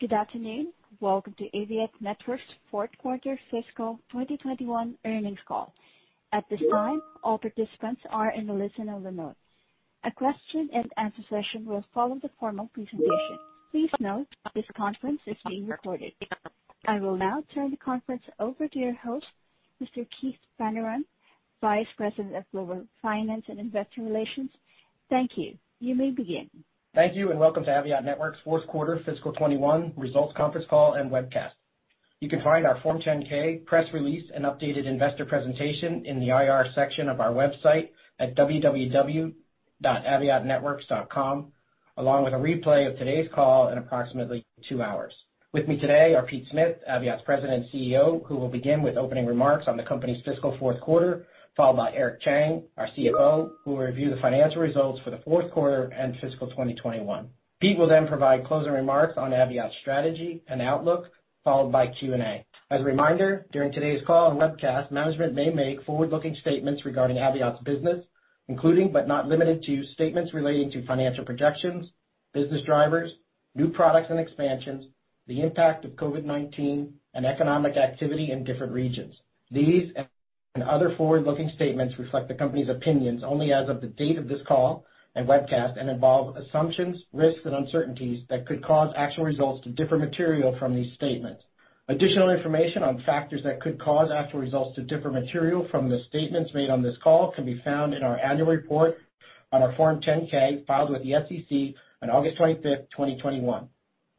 Good afternoon. Welcome to Aviat Networks' fourth quarter fiscal 2021 earnings call. At this time, all participants are in listen-only mode. A question and answer session will follow the formal presentation. Please note, this conference is being recorded. I will now turn the conference over to your host, Mr. Keith Fanneron, Vice President of Global Finance and Investor Relations. Thank you. You may begin. Thank you. Welcome to Aviat Networks' fourth quarter fiscal 2021 results conference call and webcast. You can find our Form 10-K, press release, and updated investor presentation in the IR section of our website at www.aviatnetworks.com, along with a replay of today's call in approximately two hours. With me today are Peter Smith, Aviat's President and CEO, who will begin with opening remarks on the company's fiscal fourth quarter, followed by Eric Chang, our CFO, who will review the financial results for the fourth quarter and fiscal 2021. Peter will then provide closing remarks on Aviat's strategy and outlook, followed by Q&A. As a reminder, during today's call and webcast, management may make forward-looking statements regarding Aviat's business, including but not limited to, statements relating to financial projections, business drivers, new products and expansions, the impact of COVID-19, and economic activity in different regions. These and other forward-looking statements reflect the company's opinions only as of the date of this call and webcast, and involve assumptions, risks, and uncertainties that could cause actual results to differ material from these statements. Additional information on factors that could cause actual results to differ material from the statements made on this call can be found in our annual report on our Form 10-K, filed with the SEC on August 25th, 2021.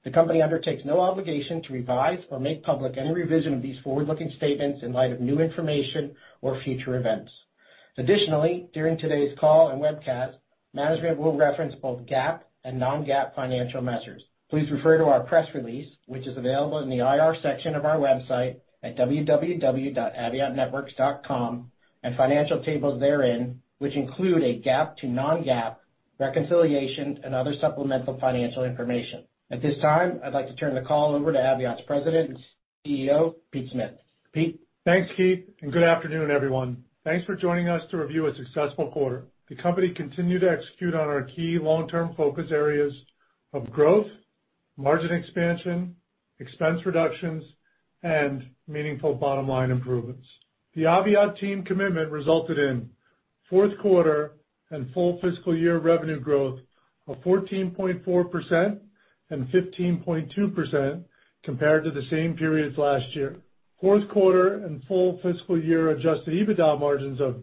The company undertakes no obligation to revise or make public any revision of these forward-looking statements in light of new information or future events. Additionally, during today's call and webcast, management will reference both GAAP and non-GAAP financial measures. Please refer to our press release, which is available in the IR section of our website at www.aviatnetworks.com, and financial tables therein, which include a GAAP to non-GAAP reconciliation and other supplemental financial information. At this time, I'd like to turn the call over to Aviat's President and CEO, Peter Smith. Pete? Thanks, Keith, good afternoon, everyone. Thanks for joining us to review a successful quarter. The company continued to execute on our key long-term focus areas of growth, margin expansion, expense reductions, and meaningful bottom-line improvements. The Aviat team commitment resulted in fourth quarter and full fiscal year revenue growth of 14.4% and 15.2% compared to the same periods last year. Fourth quarter and full fiscal year adjusted EBITDA margins of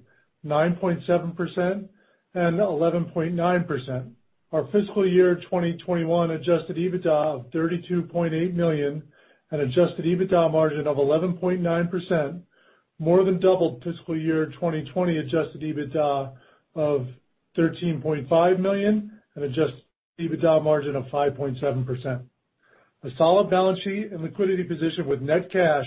9.7% and 11.9%. Our fiscal year 2021 adjusted EBITDA of $32.8 million and adjusted EBITDA margin of 11.9%, more than doubled fiscal year 2020 adjusted EBITDA of $13.5 million and adjusted EBITDA margin of 5.7%. A solid balance sheet and liquidity position with net cash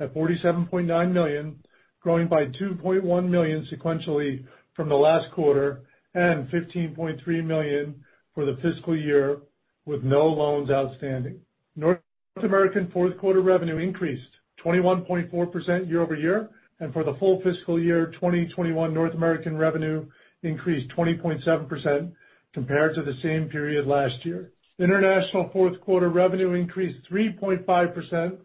at $47.9 million, growing by $2.1 million sequentially from the last quarter, and $15.3 million for the fiscal year with no loans outstanding. North American fourth quarter revenue increased 21.4% year-over-year, and for the full fiscal year 2021, North American revenue increased 20.7% compared to the same period last year. International fourth quarter revenue increased 3.5%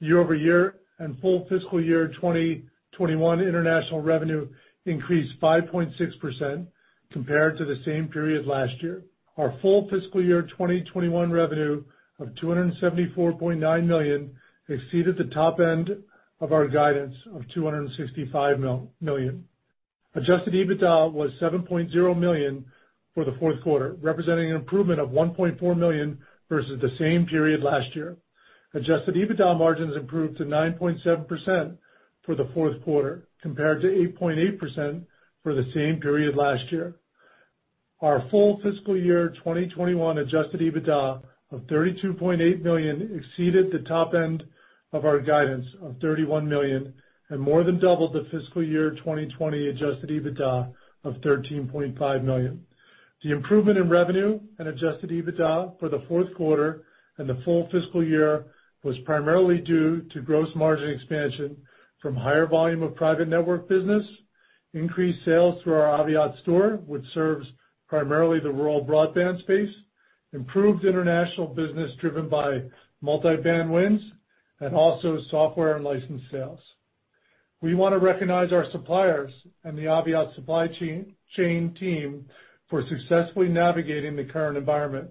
year-over-year, and full fiscal year 2021 international revenue increased 5.6% compared to the same period last year. Our full fiscal year 2021 revenue of $274.9 million exceeded the top end of our guidance of $265 million. Adjusted EBITDA was $7.0 million for the fourth quarter, representing an improvement of $1.4 million versus the same period last year. Adjusted EBITDA margins improved to 9.7% for the fourth quarter, compared to 8.8% for the same period last year. Our full fiscal year 2021 adjusted EBITDA of $32.8 million exceeded the top end of our guidance of $31 million, and more than doubled the fiscal year 2020 adjusted EBITDA of $13.5 million. The improvement in revenue and adjusted EBITDA for the fourth quarter and the full fiscal year was primarily due to gross margin expansion from higher volume of private network business, increased sales through our Aviat Store, which serves primarily the rural broadband space, improved international business driven by multi-band wins, and also software and license sales. We want to recognize our suppliers and the Aviat supply chain team for successfully navigating the current environment.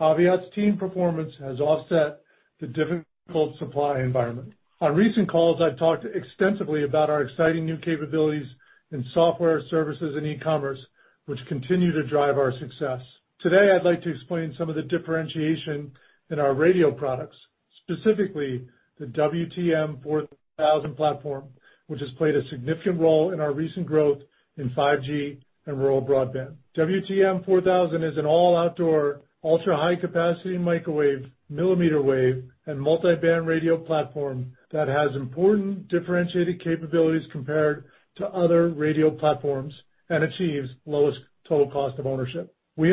Aviat's team performance has offset the difficult supply environment. On recent calls, I've talked extensively about our exciting new capabilities in software, services, and e-commerce, which continue to drive our success. Today, I'd like to explain some of the differentiation in our radio products, specifically the WTM 4000 platform, which has played a significant role in our recent growth in 5G and rural broadband. WTM 4000 is an all-outdoor, ultra-high-capacity microwave, millimeter wave, and multi-band radio platform that has important differentiated capabilities compared to other radio platforms and achieves lowest total cost of ownership. We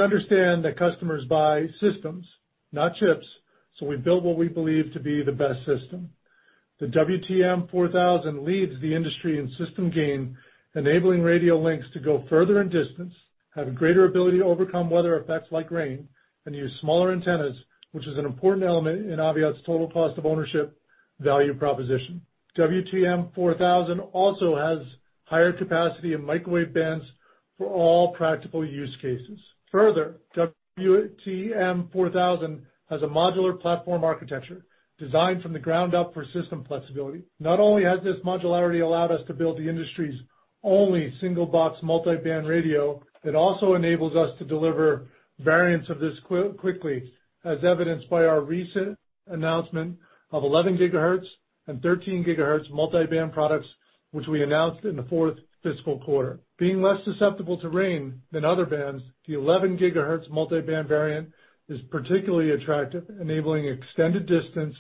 built what we believe to be the best system. The WTM 4000 leads the industry in system gain, enabling radio links to go further in distance, have greater ability to overcome weather effects like rain, and use smaller antennas, which is an important element in Aviat's total cost of ownership value proposition. WTM 4000 also has higher capacity in microwave bands for all practical use cases. Further, WTM 4000 has a modular platform architecture designed from the ground up for system flexibility. Not only has this modularity allowed us to build the industry's only single-box multi-band radio, it also enables us to deliver variants of this quickly, as evidenced by our recent announcement of 11 GHz and 13 GHz multi-band products, which we announced in the fourth fiscal quarter. Being less susceptible to rain than other bands, the 11 GHz multi-band variant is particularly attractive, enabling extended distance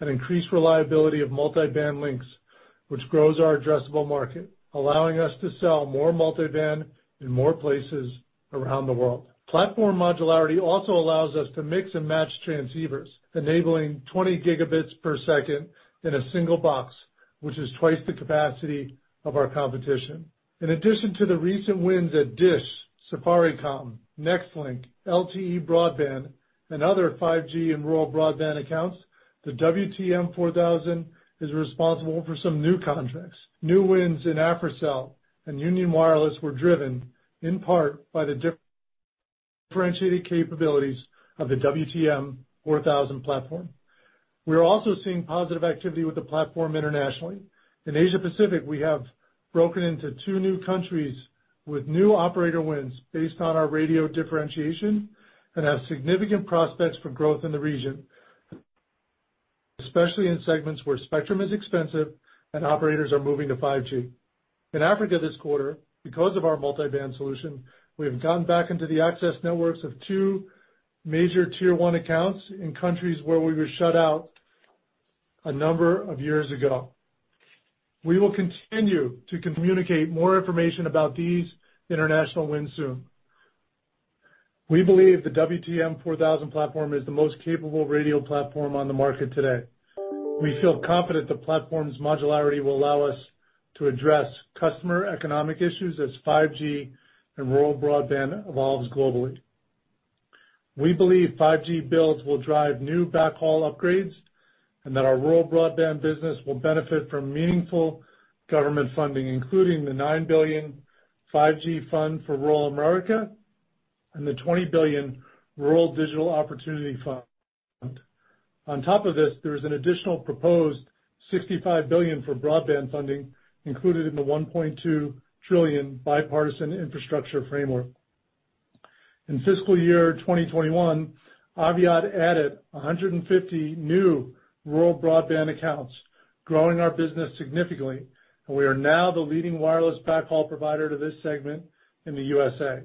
and increased reliability of multi-band links, which grows our addressable market, allowing us to sell more multi-band in more places around the world. Platform modularity also allows us to mix and match transceivers, enabling 20 Gbps in a single box, which is twice the capacity of our competition. In addition to the recent wins at DISH, Safaricom, Nextlink, LTD Broadband, and other 5G and rural broadband accounts, the WTM 4000 is responsible for some new contracts. New wins in Africell and Union Wireless were driven in part by the differentiated capabilities of the WTM 4000 platform. We're also seeing positive activity with the platform internationally. In Asia Pacific, we have broken into two new countries with new operator wins based on our radio differentiation and have significant prospects for growth in the region, especially in segments where spectrum is expensive and operators are moving to 5G. In Africa this quarter, because of our multi-band solution, we have gotten back into the access networks of two major tier 1 accounts in countries where we were shut out a number of years ago. We will continue to communicate more information about these international wins soon. We believe the WTM 4000 platform is the most capable radio platform on the market today. We feel confident the platform's modularity will allow us to address customer economic issues as 5G and rural broadband evolves globally. We believe 5G builds will drive new backhaul upgrades and that our rural broadband business will benefit from meaningful government funding, including the $9 billion 5G Fund for Rural America and the $20 billion Rural Digital Opportunity Fund. On top of this, there is an additional proposed $65 billion for broadband funding included in the $1.2 trillion Bipartisan Infrastructure Framework. In fiscal year 2021, Aviat added 150 new rural broadband accounts, growing our business significantly, and we are now the leading wireless backhaul provider to this segment in the USA.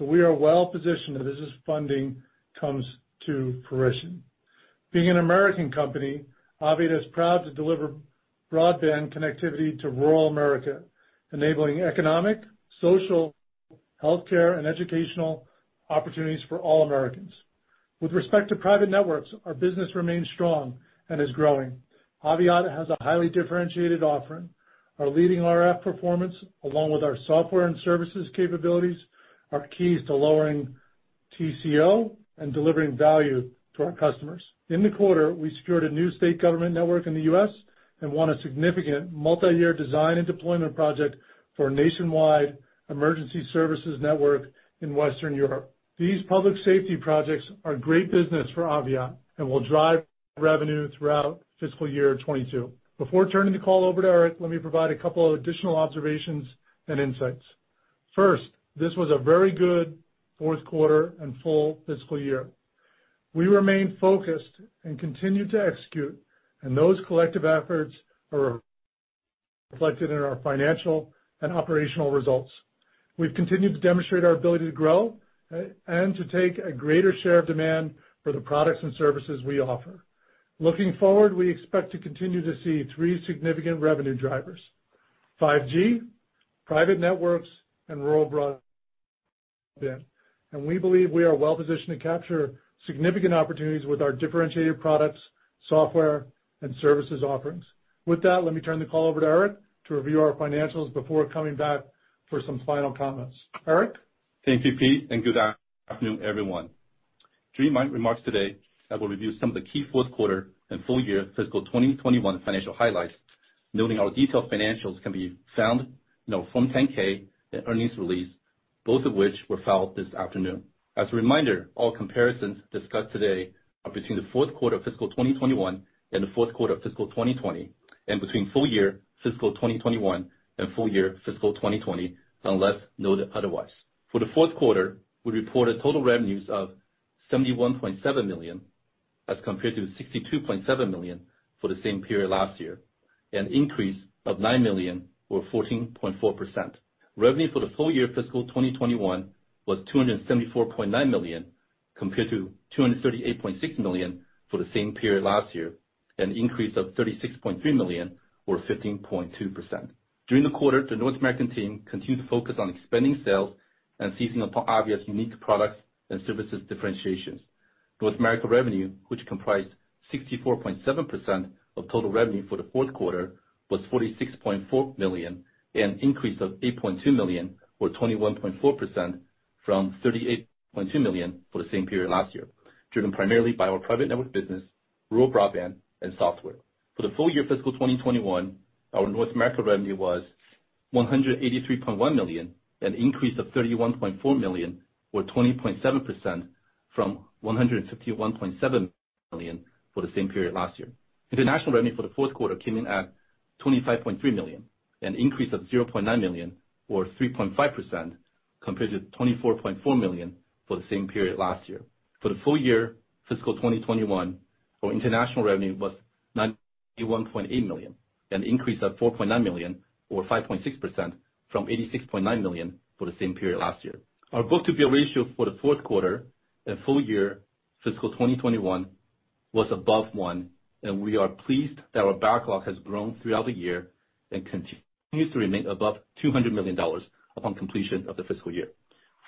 We are well positioned as this funding comes to fruition. Being an American company, Aviat is proud to deliver broadband connectivity to rural America, enabling economic, social, healthcare, and educational opportunities for all Americans. With respect to private networks, our business remains strong and is growing. Aviat has a highly differentiated offering. Our leading RF performance, along with our software and services capabilities, are keys to lowering TCO and delivering value to our customers. In the quarter, we secured a new state government network in the U.S. and won a significant multi-year design and deployment project for a nationwide emergency services network in Western Europe. These public safety projects are great business for Aviat and will drive revenue throughout fiscal year 2022. Before turning the call over to Eric, let me provide a couple of additional observations and insights. First, this was a very good fourth quarter and full fiscal year. We remain focused and continue to execute, and those collective efforts are reflected in our financial and operational results. We've continued to demonstrate our ability to grow and to take a greater share of demand for the products and services we offer. Looking forward, we expect to continue to see three significant revenue drivers, 5G, private networks, and rural broadband. We believe we are well positioned to capture significant opportunities with our differentiated products, software, and services offerings. With that, let me turn the call over to Eric to review our financials before coming back for some final comments. Eric? Thank you, Pete, and good afternoon, everyone. During my remarks today, I will review some of the key fourth quarter and full year fiscal 2021 financial highlights, noting our detailed financials can be found in our Form 10-K and earnings release, both of which were filed this afternoon. As a reminder, all comparisons discussed today are between the fourth quarter of fiscal 2021 and the fourth quarter of fiscal 2020, and between full year fiscal 2021 and full year fiscal 2020, unless noted otherwise. For the fourth quarter, we reported total revenues of $71.7 million as compared to $62.7 million for the same period last year, an increase of $9 million or 14.4%. Revenue for the full year fiscal 2021 was $274.9 million, compared to $238.6 million for the same period last year, an increase of $36.3 million or 15.2%. During the quarter, the North American team continued to focus on expanding sales and seizing upon Aviat's unique products and services differentiations. North America revenue, which comprised 64.7% of total revenue for the fourth quarter, was $46.4 million, an increase of $8.2 million or 21.4% from $38.2 million for the same period last year, driven primarily by our private network business, rural broadband, and software. For the full year fiscal 2021, our North America revenue was $183.1 million, an increase of $31.4 million or 20.7% from $151.7 million for the same period last year. International revenue for the fourth quarter came in at $25.3 million, an increase of $0.9 million or 3.5%, compared to $24.4 million for the same period last year. For the full year fiscal 2021, our international revenue was $91.8 million, an increase of $4.9 million or 5.6% from $86.9 million for the same period last year. Our book-to-bill ratio for the fourth quarter and full year fiscal 2021 was above one, and we are pleased that our backlog has grown throughout the year and continues to remain above $200 million upon completion of the fiscal year.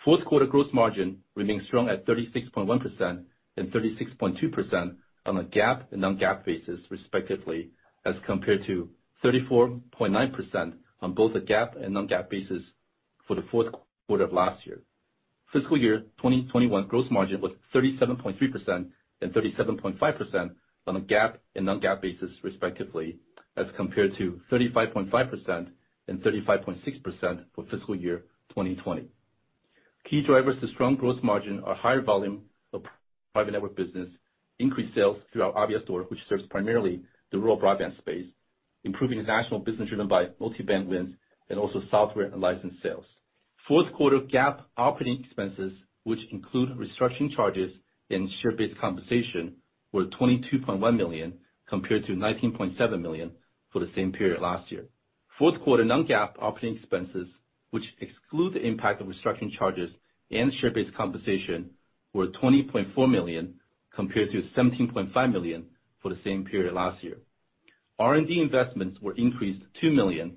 Fourth quarter gross margin remained strong at 36.1% and 36.2% on a GAAP and non-GAAP basis, respectively, as compared to 34.9% on both a GAAP and non-GAAP basis for the fourth quarter of last year. Fiscal year 2021 gross margin was 37.3% and 37.5% on a GAAP and non-GAAP basis, respectively, as compared to 35.5% and 35.6% for fiscal year 2020. Key drivers to strong gross margin are higher volume of private network business, increased sales through our Aviat store, which serves primarily the rural broadband space, improving international business driven by multi-band wins, and also software and licensed sales. Fourth quarter GAAP operating expenses, which include restructuring charges and share-based compensation, were $22.1 million, compared to $19.7 million for the same period last year. Fourth quarter non-GAAP operating expenses, which exclude the impact of restructuring charges and share-based compensation, were $20.4 million compared to $17.5 million for the same period last year. R&D investments were increased $2 million,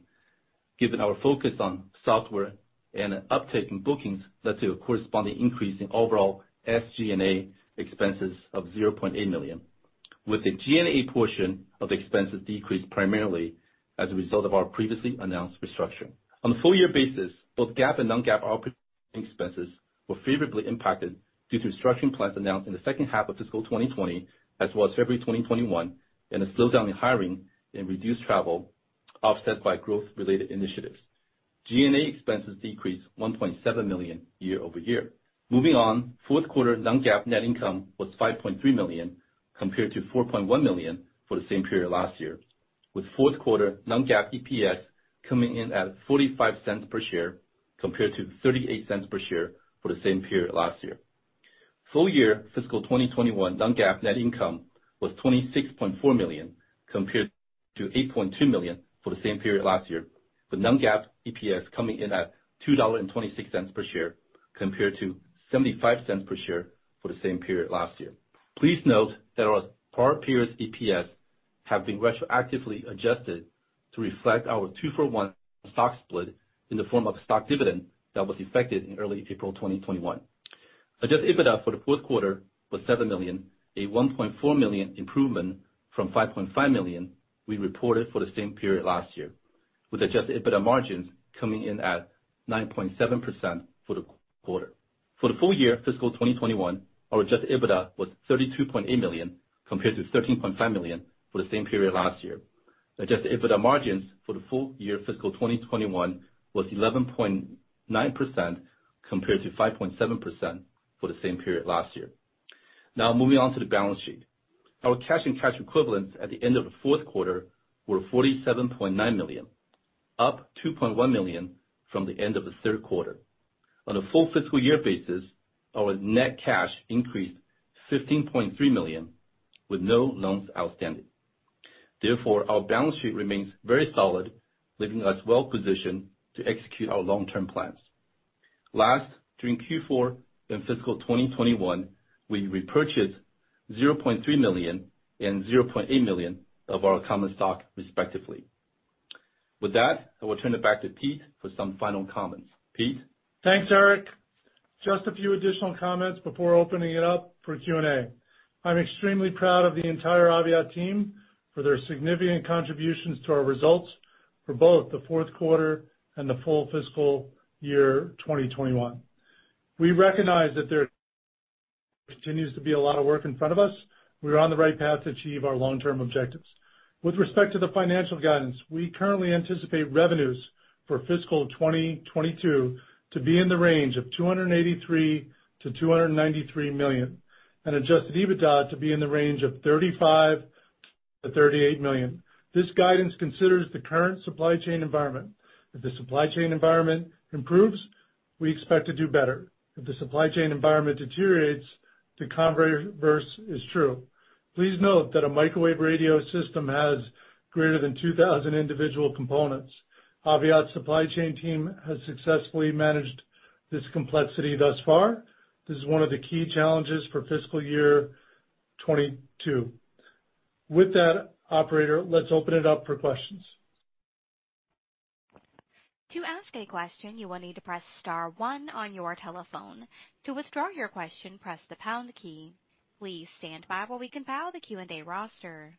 given our focus on software and an uptick in bookings led to a corresponding increase in overall SG&A expenses of $0.8 million, with the G&A portion of expenses decreased primarily as a result of our previously announced restructuring. On a full year basis, both GAAP and non-GAAP operating expenses were favorably impacted due to restructuring plans announced in the second half of fiscal 2020 as well as February 2021, and a slowdown in hiring and reduced travel offset by growth related initiatives. G&A expenses decreased $1.7 million year-over-year. Moving on, fourth quarter non-GAAP net income was $5.3 million compared to $4.1 million for the same period last year, with fourth quarter non-GAAP EPS coming in at $0.45 per share compared to $0.38 per share for the same period last year. Full year fiscal 2021 non-GAAP net income was $26.4 million compared to $8.2 million for the same period last year, with non-GAAP EPS coming in at $2.26 per share compared to $0.75 per share for the same period last year. Please note that our prior period's EPS have been retroactively adjusted to reflect our two-for-one stock split in the form of stock dividend that was effective in early April 2021. Adjusted EBITDA for the fourth quarter was $7 million, a $1.4 million improvement from $5.5 million we reported for the same period last year, with adjusted EBITDA margins coming in at 9.7% for the quarter. For the full year fiscal 2021, our adjusted EBITDA was $32.8 million compared to $13.5 million for the same period last year. Adjusted EBITDA margins for the full year fiscal 2021 was 11.9% compared to 5.7% for the same period last year. Now, moving on to the balance sheet. Our cash and cash equivalents at the end of the fourth quarter were $47.9 million, up $2.1 million from the end of the third quarter. On a full fiscal year basis, our net cash increased to $15.3 million with no loans outstanding. Therefore, our balance sheet remains very solid, leaving us well-positioned to execute our long-term plans. Last, during Q4 and fiscal 2021, we repurchased $0.3 million and $0.8 million of our common stock, respectively. With that, I will turn it back to Peter for some final comments. Peter? Thanks, Eric. Just a few additional comments before opening it up for Q&A. I'm extremely proud of the entire Aviat team for their significant contributions to our results for both the fourth quarter and the full fiscal year 2021. We recognize that there continues to be a lot of work in front of us. We are on the right path to achieve our long-term objectives. With respect to the financial guidance, we currently anticipate revenues for fiscal 2022 to be in the range of $283 million-$293 million and adjusted EBITDA to be in the range of $35 million-$38 million. This guidance considers the current supply chain environment. If the supply chain environment improves, we expect to do better. If the supply chain environment deteriorates, the converse is true. Please note that a microwave radio system has greater than 2,000 individual components. Aviat's supply chain team has successfully managed this complexity thus far. This is one of the key challenges for fiscal year 2022. With that, operator, let's open it up for questions. To ask a question, you will need to press star one on your telephone. To withdraw your question, press the pound key. Please stand by while we compile the Q&A roster.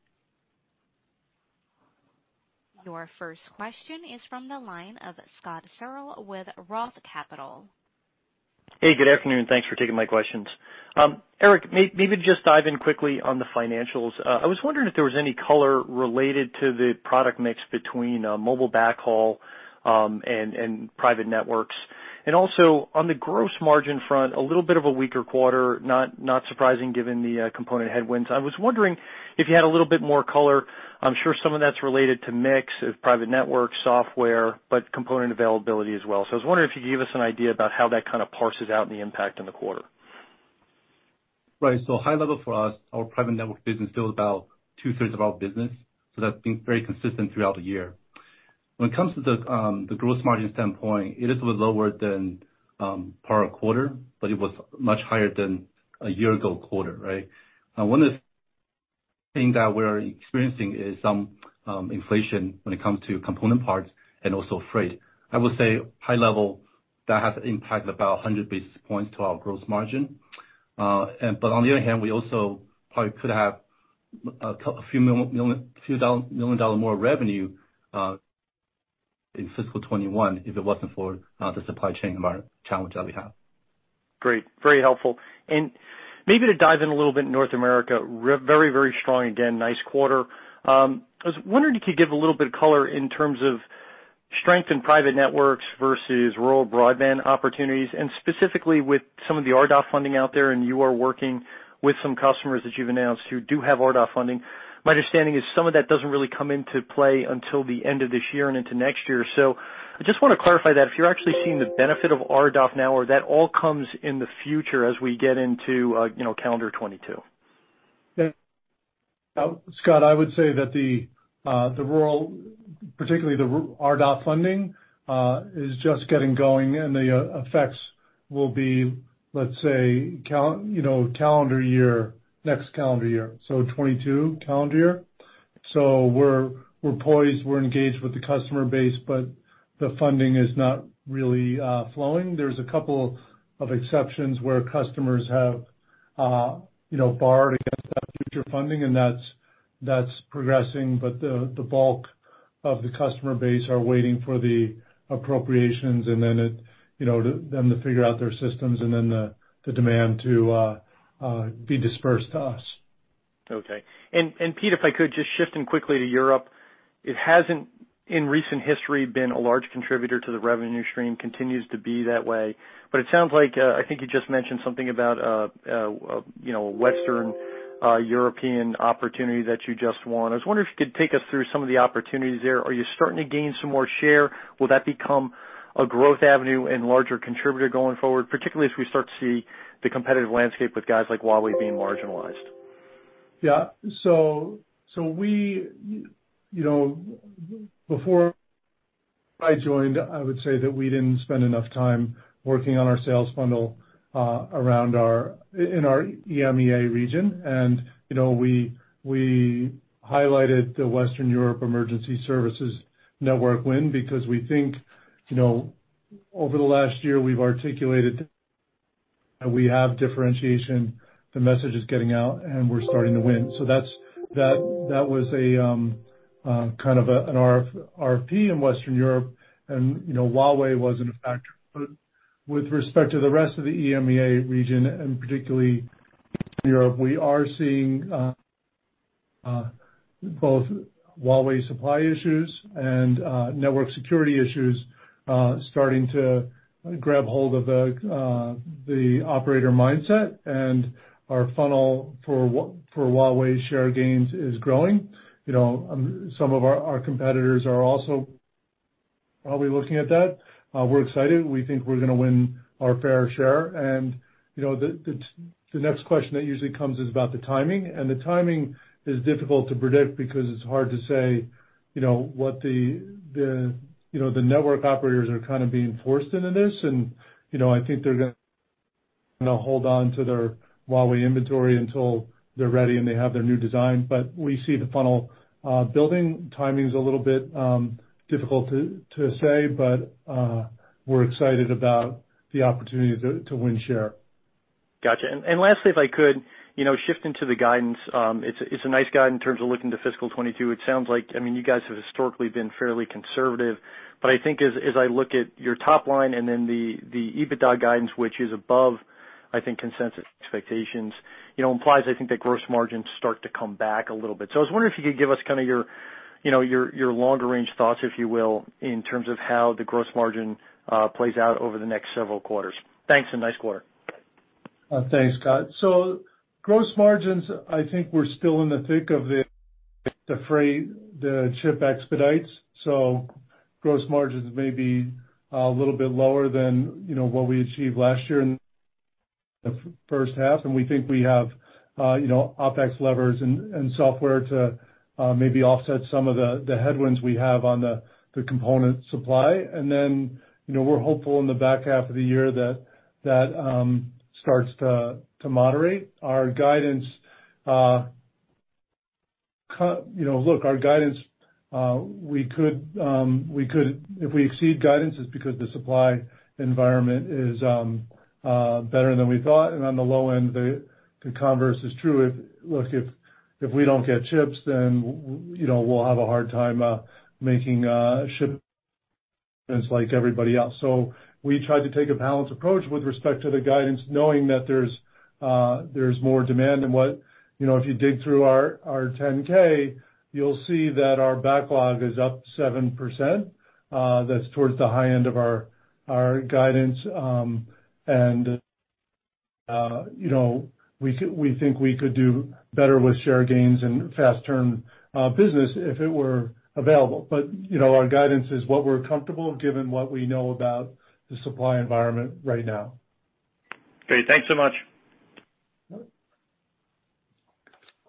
Your first question is from the line of Scott Searle with Roth Capital. Hey, good afternoon. Thanks for taking my questions. Eric, maybe just dive in quickly on the financials. I was wondering if there was any color related to the product mix between mobile backhaul and private networks. Also on the gross margin front, a little bit of a weaker quarter, not surprising given the component headwinds. I was wondering if you had a little bit more color. I'm sure some of that's related to mix of private network software, component availability as well. I was wondering if you could give us an idea about how that kind of parses out and the impact in the quarter. Right. High level for us, our private network business is still about 2/3 of our business. That's been very consistent throughout the year. When it comes to the gross margin standpoint, it is a little lower than prior quarter, but it was much higher than a year ago quarter, right? One of the things that we're experiencing is some inflation when it comes to component parts and also freight. I would say high level, that has impacted about 100 basis points to our gross margin. On the other hand, we also probably could have a few million dollars more revenue in fiscal 2021 if it wasn't for the supply chain environment challenge that we have. Great. Very helpful. Maybe to dive in a little bit North America, very, very strong. Again, nice quarter. I was wondering if you could give a little bit of color in terms of strength in private networks versus rural broadband opportunities, and specifically with some of the RDOF funding out there, and you are working with some customers that you've announced who do have RDOF funding. My understanding is some of that doesn't really come into play until the end of this year and into next year. I just want to clarify that if you're actually seeing the benefit of RDOF now, or that all comes in the future as we get into calendar 2022. Scott, I would say that the rural, particularly the RDOF funding, is just getting going the effects will be, let's say, next calendar year, so 2022 calendar year. We're poised, we're engaged with the customer base, the funding is not really flowing. There's a couple of exceptions where customers have borrowed against that future funding that's progressing. The bulk of the customer base are waiting for the appropriations then to figure out their systems then the demand to be dispersed to us. Okay. Pete, if I could just shift in quickly to Europe, it hasn't in recent history been a large contributor to the revenue stream. Continues to be that way. It sounds like, I think you just mentioned something about a Western European opportunity that you just won. I was wondering if you could take us through some of the opportunities there. Are you starting to gain some more share? Will that become a growth avenue and larger contributor going forward, particularly as we start to see the competitive landscape with guys like Huawei being marginalized? Before I joined, I would say that we didn't spend enough time working on our sales funnel in our EMEA region. We highlighted the Western Europe Emergency Services network win because we think over the last year we've articulated that we have differentiation, the message is getting out and we're starting to win. That was a kind of an RFP in Western Europe, and Huawei wasn't a factor. With respect to the rest of the EMEA region, and particularly Europe, we are seeing both Huawei supply issues and network security issues starting to grab hold of the operator mindset. Our funnel for Huawei share gains is growing. Some of our competitors are also probably looking at that. We're excited. We think we're going to win our fair share. The next question that usually comes is about the timing, and the timing is difficult to predict because it's hard to say what the network operators are kind of being forced into this. I think they're going to hold on to their Huawei inventory until they're ready and they have their new design. We see the funnel building. Timing is a little bit difficult to say, but we're excited about the opportunity to win share. Lastly, if I could shift into the guidance. It's a nice guide in terms of looking to fiscal 2022. It sounds like, you guys have historically been fairly conservative, I think as I look at your top line and then the EBITDA guidance, which is above, I think, consensus expectations, implies I think that gross margins start to come back a little bit. I was wondering if you could give us your longer range thoughts, if you will, in terms of how the gross margin plays out over the next several quarters. Thanks, and nice quarter. Thanks, Scott. Gross margins, I think we're still in the thick of the freight, the chip expedites. Gross margins may be a little bit lower than what we achieved last year in the first half. We think we have OpEx levers and software to maybe offset some of the headwinds we have on the component supply. We're hopeful in the back half of the year that starts to moderate. Our guidance, if we exceed guidance, it's because the supply environment is better than we thought, and on the low end, the converse is true. Look, if we don't get chips, then we'll have a hard time making shipments like everybody else. We tried to take a balanced approach with respect to the guidance, knowing that there's more demand than what--. If you dig through our 10-K, you'll see that our backlog is up 7%. That's towards the high end of our guidance. We think we could do better with share gains and fast turn business if it were available. Our guidance is what we're comfortable, given what we know about the supply environment right now. Okay. Thanks so much.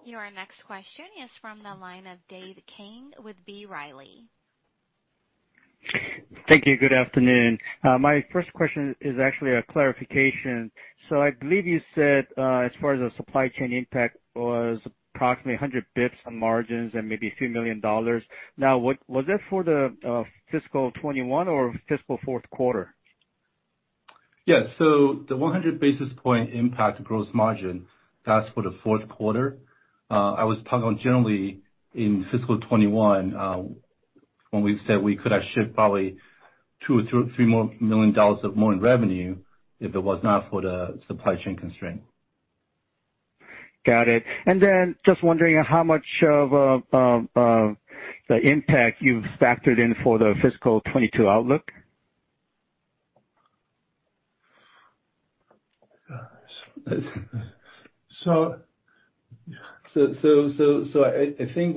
Your next question is from the line of Dave Kang with B. Riley. Thank you. Good afternoon. My first question is actually a clarification. I believe you said, as far as the supply chain impact was approximately 100 basis points on margins and maybe a few million dollars. Was that for the fiscal 2021 or fiscal fourth quarter? Yes. The 100 basis points impact gross margin, that's for the fourth quarter. I was talking on generally in fiscal 2021, when we said we could have shipped probably $2 million or $3 million more of more in revenue if it was not for the supply chain constraint. Got it. Just wondering how much of the impact you've factored in for the fiscal 2022 outlook? I think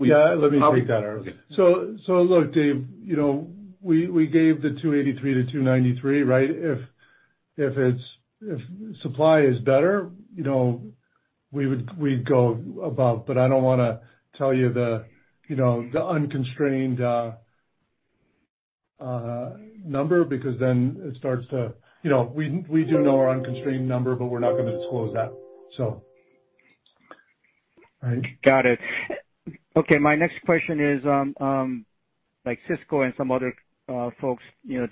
Yeah, let me take that, Eric. Okay. Look, Dave, we gave the $283 million-$293 million, right? If supply is better, we'd go above. I don't want to tell you the unconstrained number because then We do know our unconstrained number, but we're not going to disclose that, so. Right? Got it. Okay. My next question is, like Cisco and some other folks,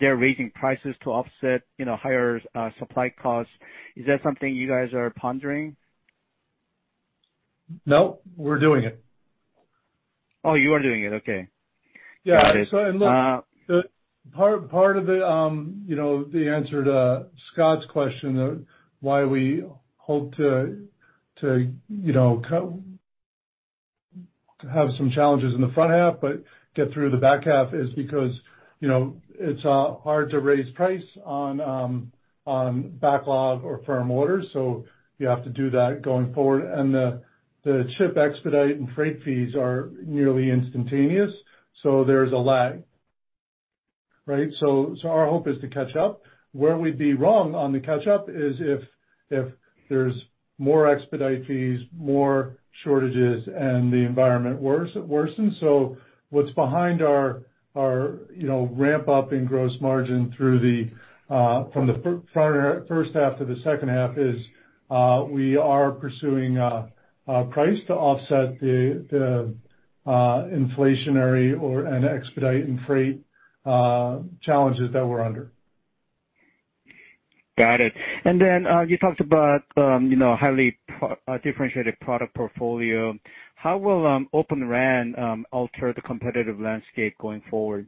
they're raising prices to offset higher supply costs. Is that something you guys are pondering? No, we're doing it. Oh, you are doing it. Okay. Got it. Yeah. And look, part of the answer to Scott's question of why we hope to have some challenges in the front half but get through the back half is because it's hard to raise price on backlog or firm orders, so you have to do that going forward. The chip expedite and freight fees are nearly instantaneous, so there's a lag, right? Our hope is to catch up. Where we'd be wrong on the catch-up is if there's more expedite fees, more shortages, and the environment worsens. What's behind our ramp-up in gross margin from the first half to the second half is we are pursuing price to offset the inflationary and expedite and freight challenges that we're under. Got it. You talked about highly differentiated product portfolio. How will Open RAN alter the competitive landscape going forward?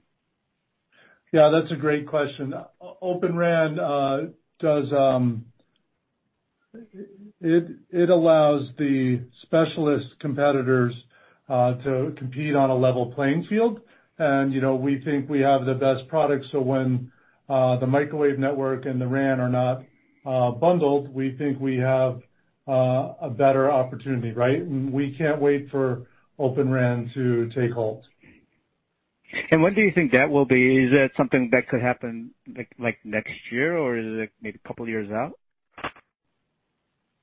Yeah, that's a great question. Open RAN, it allows the specialist competitors to compete on a level playing field. We think we have the best product, so when the microwave network and the RAN are not bundled, we think we have a better opportunity, right? We can't wait for Open RAN to take hold. When do you think that will be? Is that something that could happen next year, or is it maybe a couple of years out?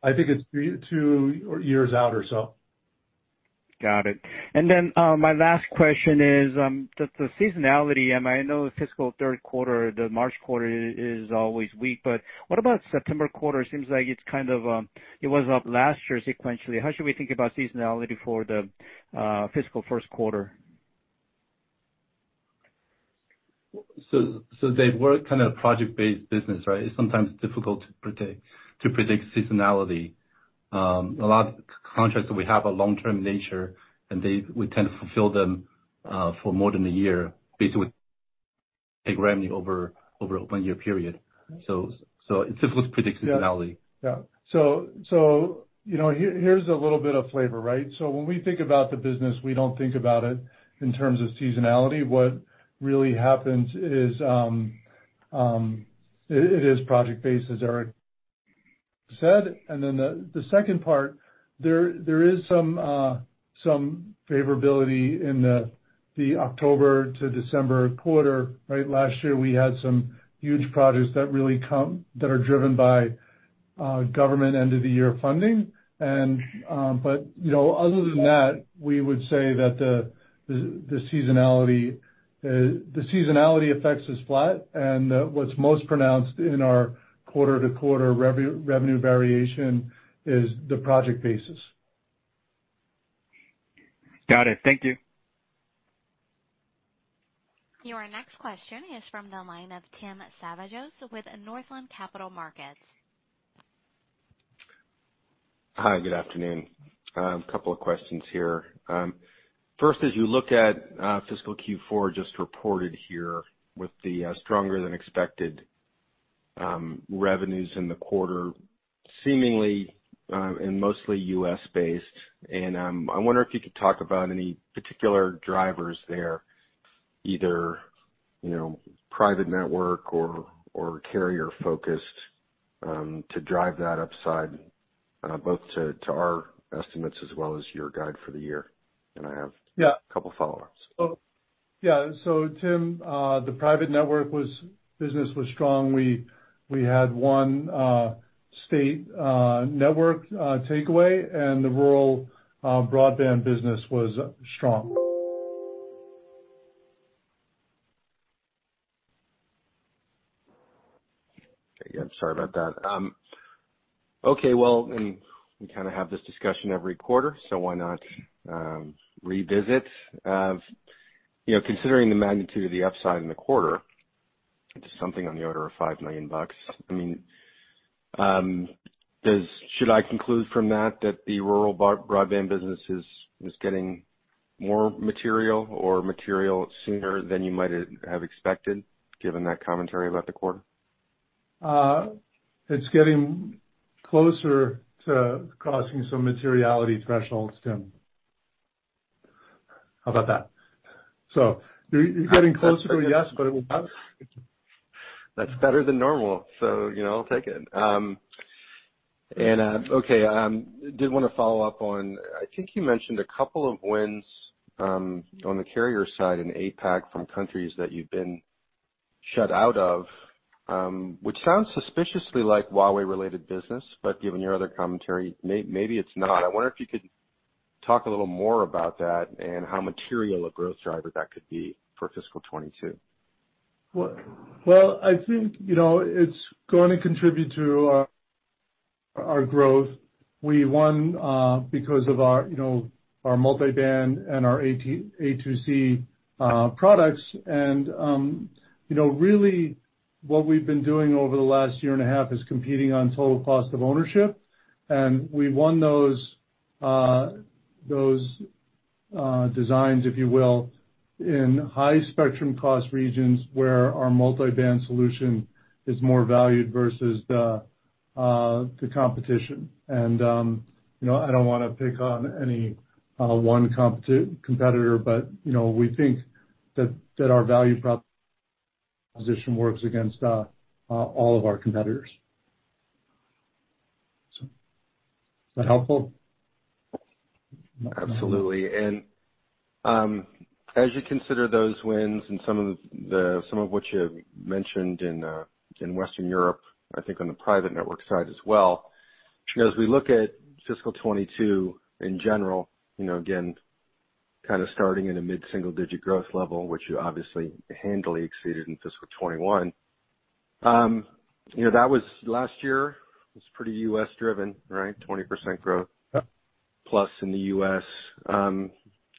I think it's two years out or so. Got it. My last question is, the seasonality, I know fiscal third quarter, the March quarter is always weak, what about September quarter? Seems like it was up last year sequentially. How should we think about seasonality for the fiscal first quarter? Dave, we're kind of a project-based business, right? It's sometimes difficult to predict seasonality. A lot of contracts that we have are long-term nature, and we tend to fulfill them for more than a year, basically take revenue over a one-year period. It's difficult to predict seasonality. Yeah. Here's a little bit of flavor, right? When we think about the business, we don't think about it in terms of seasonality. What really happens is, it is project-based, as Eric said. Then the second part, there is some favorability in the October to December quarter, right? Last year, we had some huge projects that are driven by government end-of-the-year funding. Other than that, we would say that the seasonality effects is flat, and what's most pronounced in our quarter-to-quarter revenue variation is the project basis. Got it. Thank you. Your next question is from the line of Tim Savageaux with Northland Capital Markets. Hi, good afternoon. A couple of questions here. First, as you look at fiscal Q4 just reported here with the stronger than expected revenues in the quarter, seemingly and mostly U.S.-based, I wonder if you could talk about any particular drivers there, either private network or carrier-focused to drive that upside both to our estimates as well as your guide for the year. Yeah a couple follow-ups. Tim, the private network business was strong. We had one state network takeaway, and the rural broadband business was strong. Okay. Yeah, sorry about that. Okay. Well, we kind of have this discussion every quarter, so why not revisit. Considering the magnitude of the upside in the quarter to something on the order of $5 million, should I conclude from that that the rural broadband business is getting more material or material sooner than you might have expected, given that commentary about the quarter? It's getting closer to crossing some materiality thresholds, Tim. How about that? You're getting closer to a yes. That's better than normal, so I'll take it. Okay, did want to follow up on, I think you mentioned a couple of wins on the carrier side in APAC from countries that you've been shut out of, which sounds suspiciously like Huawei-related business, but given your other commentary, maybe it's not. I wonder if you could talk a little more about that and how material a growth driver that could be for fiscal 2022. I think it's going to contribute to our growth. We won because of our multi-band and our A2C products. Really what we've been doing over the last year and a half is competing on total cost of ownership, and we won those designs, if you will, in high spectrum cost regions where our multi-band solution is more valued versus the competition. I don't want to pick on any one competitor, but we think that our value proposition works against all of our competitors. Is that helpful? Absolutely. As you consider those wins and some of which you've mentioned in Western Europe, I think on the private network side as well, as we look at fiscal 2022 in general, again, kind of starting in a mid-single-digit growth level, which you obviously handily exceeded in fiscal 2021. That was last year. It was pretty U.S.-driven, right? 20% growth- Yep... plus in the U.S.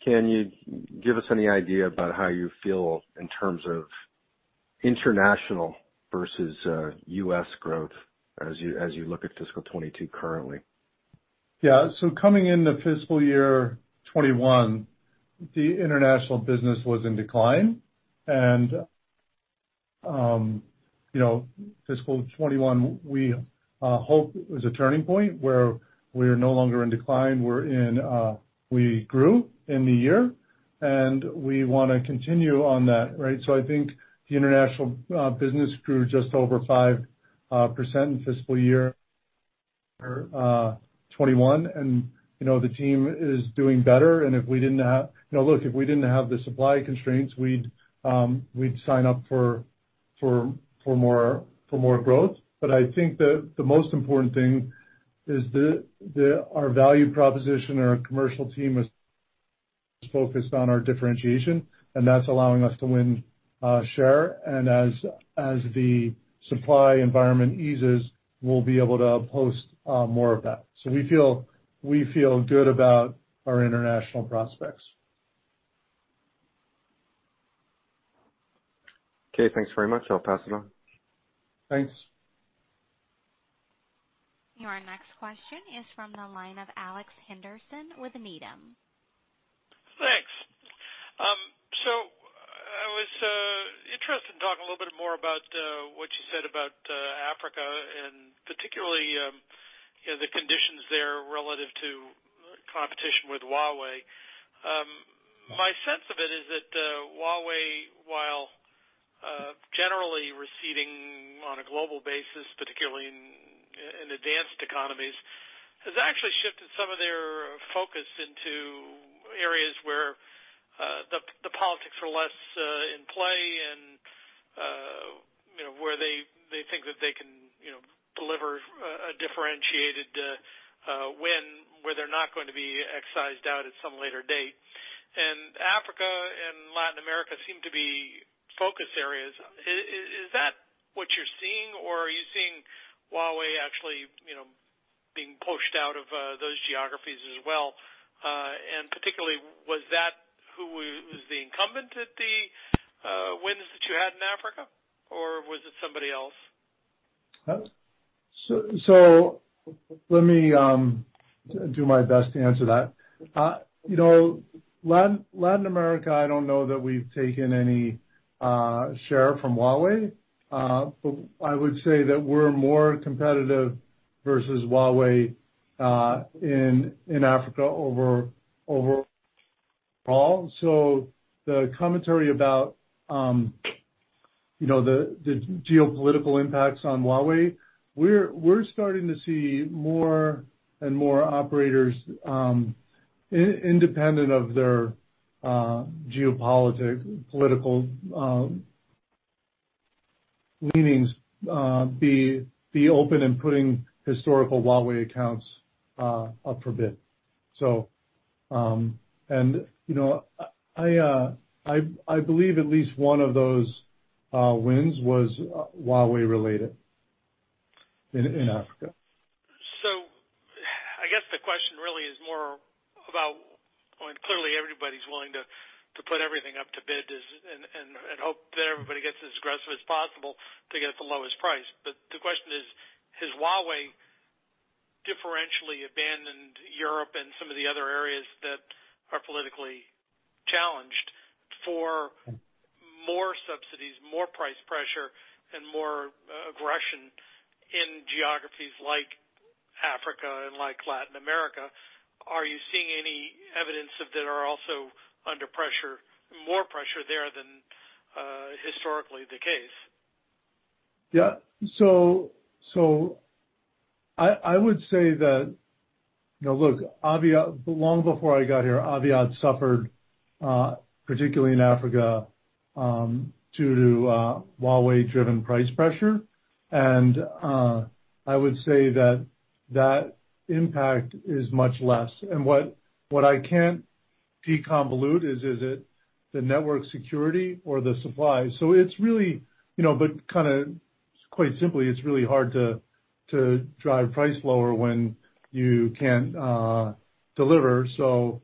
Can you give us any idea about how you feel in terms of international versus U.S. growth as you look at fiscal 2022 currently? Yeah. Coming into fiscal year 2021, the international business was in decline, and fiscal 2021, we hope was a turning point where we're no longer in decline. We grew in the year, we want to continue on that, right? I think the international business grew just over 5% in fiscal year 2021, the team is doing better. Look, if we didn't have the supply constraints, we'd sign up for more growth. I think that the most important thing is our value proposition and our commercial team is focused on our differentiation, that's allowing us to win share, as the supply environment eases, we'll be able to post more of that. We feel good about our international prospects. Okay, thanks very much. I'll pass it on. Thanks. Your next question is from the line of Alex Henderson with Needham. Thanks. I was interested in talking a little bit more about what you said about Africa and particularly, the conditions there relative to competition with Huawei. My sense of it is that Huawei, while generally receding on a global basis, particularly in advanced economies, has actually shifted some of their focus into areas where the politics are less in play and where they think that they can deliver a differentiated win where they're not going to be excised out at some later date. Africa and Latin America seem to be focus areas. Is that what you're seeing, or are you seeing Huawei actually being pushed out of those geographies as well? Particularly, was that who was the incumbent at the wins that you had in Africa, or was it somebody else? Let me do my best to answer that. Latin America, I don't know that we've taken any share from Huawei. I would say that we're more competitive versus Huawei in Africa overall. The commentary about the geopolitical impacts on Huawei, we're starting to see more and more operators, independent of their geopolitical leanings, be open in putting historical Huawei accounts up for bid. I believe at least one of those wins was Huawei-related in Africa. I guess the question really is more about, clearly everybody's willing to put everything up to bid and hope that everybody gets as aggressive as possible to get the lowest price. The question is, has Huawei differentially abandoned Europe and some of the other areas that are politically challenged for more subsidies, more price pressure, and more aggression in geographies like Africa and like Latin America? Are you seeing any evidence that they are also under more pressure there than historically the case? Yeah. I would say that, look, long before I got here, Aviat suffered, particularly in Africa, due to Huawei-driven price pressure. I would say that that impact is much less. What I can't deconvolute is it the network security or the supply? Quite simply, it's really hard to drive price lower when you can't deliver. The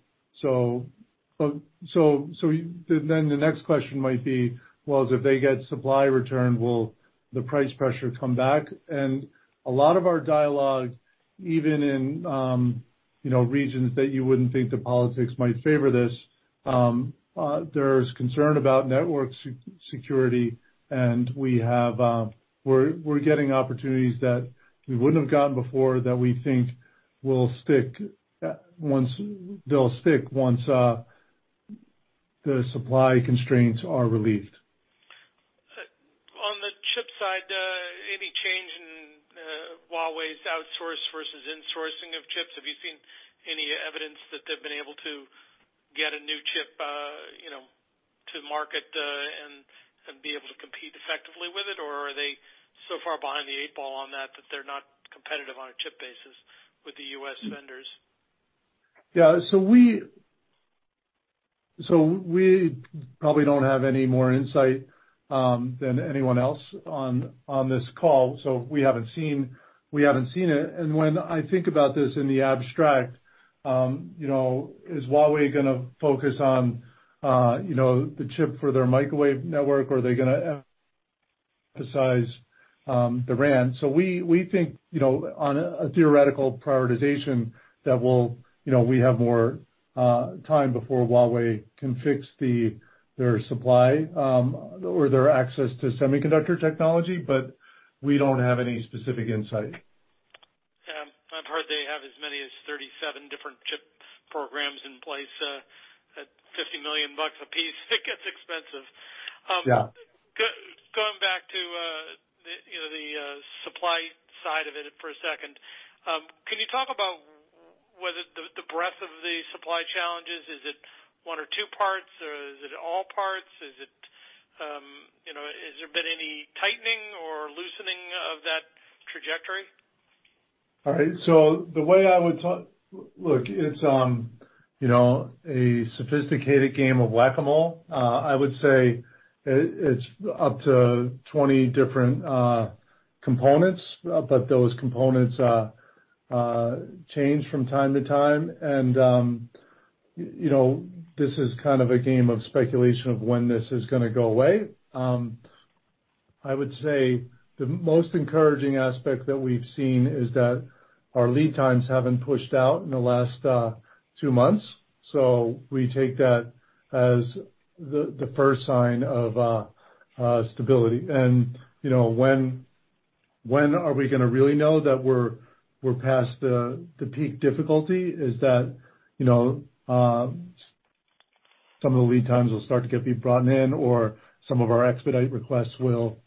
next question might be, well, if they get supply return, will the price pressure come back? A lot of our dialogue, even in regions that you wouldn't think the politics might favor this, there's concern about network security, and we're getting opportunities that we wouldn't have gotten before that we think will stick once the supply constraints are relieved. On the chip side, any change in Huawei's outsource versus insourcing of chips? Have you seen any evidence that they've been able to get a new chip to market and be able to compete effectively with it? Or are they so far behind the eight ball on that they're not competitive on a chip basis with the U.S. vendors? Yeah. We probably don't have any more insight than anyone else on this call. We haven't seen it. When I think about this in the abstract, is Huawei going to focus on the chip for their microwave network or are they going to emphasize the RAN? We think, on a theoretical prioritization, that we have more time before Huawei can fix their supply, or their access to semiconductor technology. We don't have any specific insight. I've heard they have as many as 37 different chip programs in place at $50 million apiece. It gets expensive. Yeah. Going back to the supply side of it for a second. Can you talk about the breadth of the supply challenges? Is it one or two parts, or is it all parts? Has there been any tightening or loosening of that trajectory? All right. Look, it's a sophisticated game of Whac-A-Mole. I would say it's up to 20 different components, but those components change from time to time. This is kind of a game of speculation of when this is going to go away. I would say the most encouraging aspect that we've seen is that our lead times haven't pushed out in the last two months. We take that as the first sign of stability. When are we going to really know that we're past the peak difficulty is that some of the lead times will start to be brought in, or some of our expedite requests will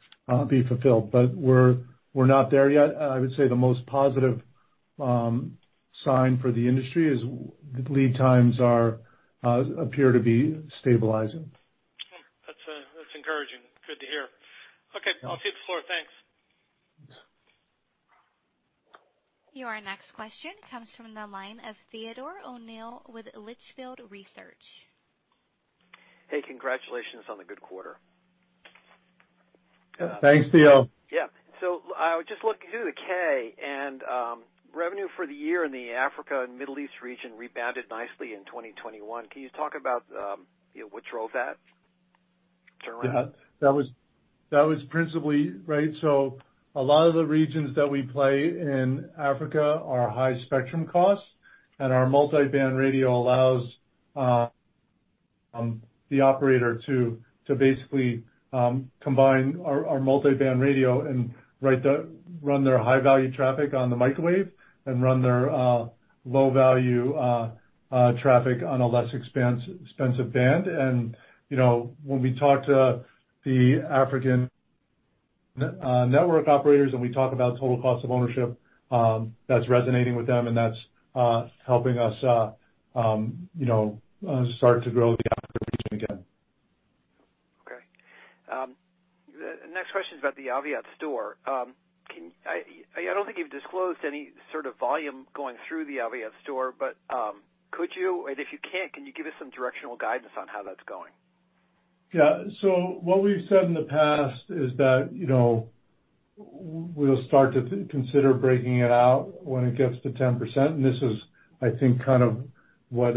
be fulfilled. We're not there yet. I would say the most positive sign for the industry is lead times appear to be stabilizing. That's encouraging. Good to hear. Okay, I'll cede the floor. Thanks. Thanks. Your next question comes from the line of Theodore O'Neill with Litchfield Research. Hey, congratulations on the good quarter. Thanks, Theo. Yeah. I was just looking through the K, and revenue for the year in the Africa and Middle East region rebounded nicely in 2021. Can you talk about what drove that turnaround? Yeah. A lot of the regions that we play in Africa are high spectrum costs, and our multi-band radio allows the operator to basically combine our multi-band radio and run their high-value traffic on the microwave and run their low-value traffic on a less expensive band. When we talk to the African network operators, and we talk about total cost of ownership, that's resonating with them, and that's helping us start to grow the Africa region again. Okay. The next question's about the Aviat store. I don't think you've disclosed any sort of volume going through the Aviat store, but could you, and if you can't, can you give us some directional guidance on how that's going? Yeah. What we've said in the past is that, we'll start to consider breaking it out when it gets to 10%. This is, I think, kind of what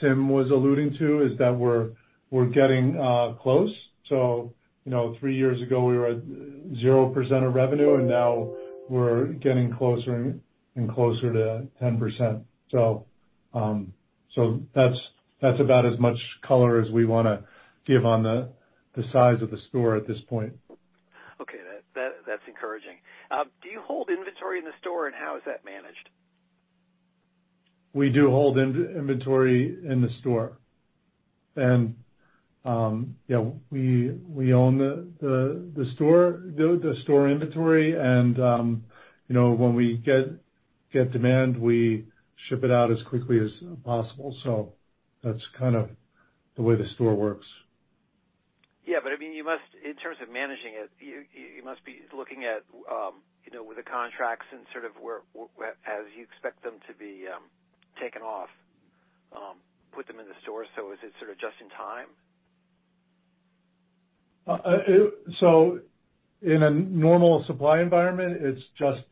Tim was alluding to, is that we're getting close. Three years ago, we were at 0% of revenue, and now we're getting closer and closer to 10%. That's about as much color as we want to give on the size of the store at this point. Okay. That's encouraging. Do you hold inventory in the store, and how is that managed? We do hold inventory in the store. Yeah, we own the store inventory and when we get demand, we ship it out as quickly as possible. That's kind of the way the store works. Yeah, in terms of managing it, you must be looking at, with the contracts and sort of as you expect them to be taken off, put them in the store. Is it sort of just in time? In a normal supply environment, it's just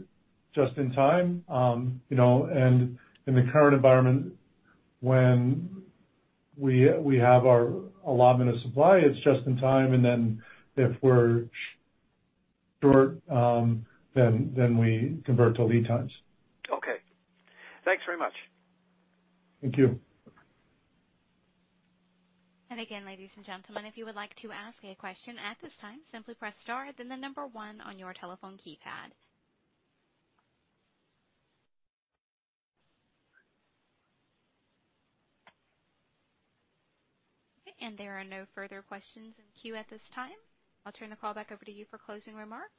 in time. In the current environment, when we have our allotment of supply, it's just in time, and then if we're short, then we convert to lead times. Okay. Thanks very much. Thank you. Again, ladies and gentlemen, if you would like to ask a question at this time, simply press star then the one on your telephone keypad. Okay, there are no further questions in queue at this time. I'll turn the call back over to you for closing remarks.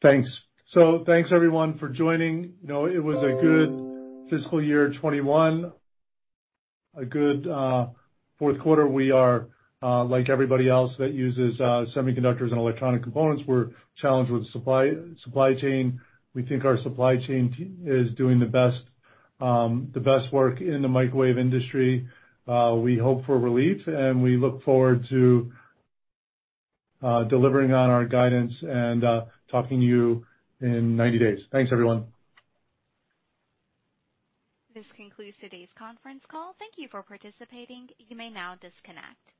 Thanks. Thanks everyone for joining. It was a good fiscal year 2021, a good fourth quarter. We are like everybody else that uses semiconductors and electronic components. We're challenged with supply chain. We think our supply chain is doing the best work in the microwave industry. We hope for relief, and we look forward to delivering on our guidance and talking to you in 90 days. Thanks, everyone. This concludes today's conference call. Thank you for participating. You may now disconnect.